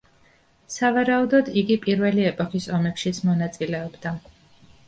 სავარაუდოდ, იგი პირველი ეპოქის ომებშიც მონაწილეობდა.